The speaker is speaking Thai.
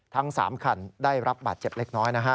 ทั้ง๓คันได้รับบาดเจ็บเล็กน้อยนะฮะ